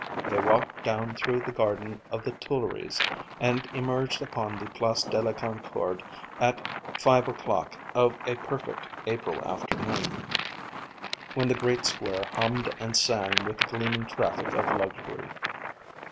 They walked down through the garden of the Tuileries and emerged upon the Place de la Concorde at five o'clock of a perfect April afternoon, when the great square hummed and sang with the gleaming traffic of luxury.